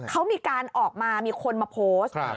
เขามีการออกมามีคนมาโพสต์